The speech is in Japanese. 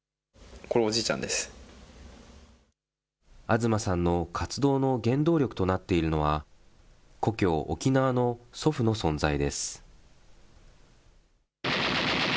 東さんの活動の原動力となっているのは、故郷、沖縄の祖父の存在です。